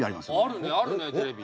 あるねあるねテレビ。